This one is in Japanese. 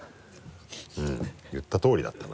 うん言ったとおりだったな。